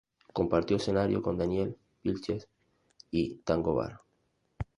Compartió escenario con Daniel Vilches y Tango Bar.